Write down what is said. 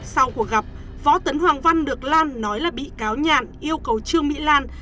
sau cuộc gặp võ tấn hoàng văn được lan nói là bị cáo nhàn yêu cầu trương mỹ lan